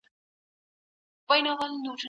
د عرفان ستر شخصیتونه چي د فارسي ژبي په